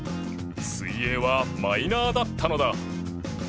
水泳はマイナーだったのだ。